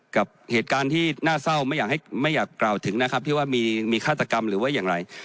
กับเหตุการณ์ที่น่าเศร้าไม่อยากให้ไม่อยากกล่าวถึงนะครับที่ว่ามีฆาตกรรมหรือว่าอย่างไร